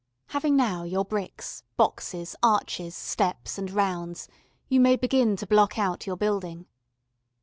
Having now your bricks, boxes, arches, steps, and rounds, you may begin to block out your building.